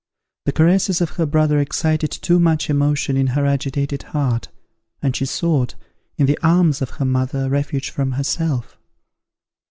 The caresses of her brother excited too much emotion in her agitated heart, and she sought, in the arms of her mother, refuge from herself.